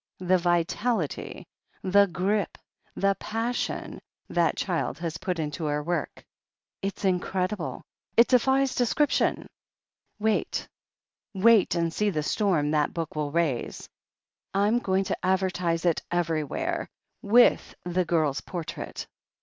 "The vitality, the grip, the passion, that child has put into her work! It's incredible — it defies description. Wait — ^wait and see the storm that book will raise. I'm going to advertise it ever)rwhere — with the girl's por trait.